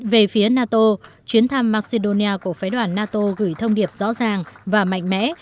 về phía nato chuyến thăm macedonia của phái đoàn nato gửi thông điệp rõ ràng và mạnh mẽ